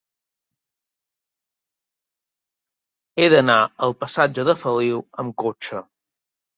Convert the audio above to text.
He d'anar al passatge de Feliu amb cotxe.